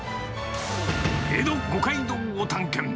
江戸五街道を探検！